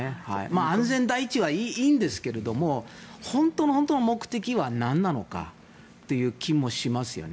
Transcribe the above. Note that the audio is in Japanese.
安全第一はいいんですけど本当の本当の目的はなんなのかという気もしますね。